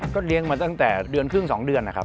เลี้ยงมาตั้งแต่เดือนครึ่ง๒เดือนนะครับ